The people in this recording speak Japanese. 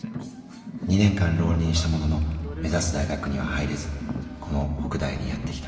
２年間浪人したものの目指す大学には入れずこの北大にやって来た。